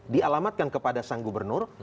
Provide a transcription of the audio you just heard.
dialamatkan kepada sang gubernur